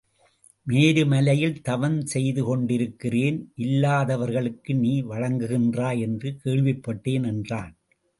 மேருமலையில் தவம் செய்து கொண்டிருக்கிறேன் இல்லாதவர்க்கு நீ வழங்குகின்றாய் என்று கேள்விப்பட் டேன் என்றான்.